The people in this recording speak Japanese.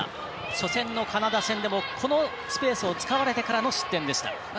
初戦のカナダ戦でもこのスペースを使われてからの失点でした。